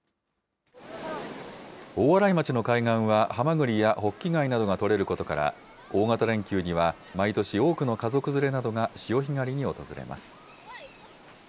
大洗町の海岸は、ハマグリやホッキ貝などが取れることから、大型連休には、毎年多くの家族連れなどが潮干狩りに訪れます。